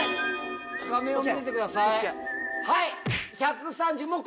画面を見せてください。